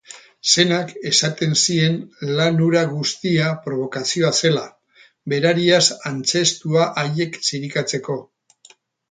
Senak esaten zien lan hura guztia probokazioa zela, berariaz antzeztua haiek zirikatzeko.